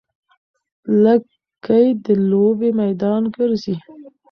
لږکي د لوبې میدان ګرځي.